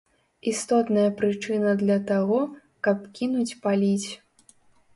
Істотная прычына для таго, каб кінуць паліць!